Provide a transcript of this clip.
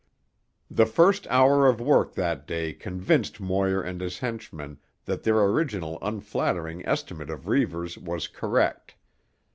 The first hour of work that day convinced Moir and his henchmen that their original unflattering estimate of Reivers was correct.